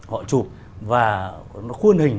họ chụp và khuôn hình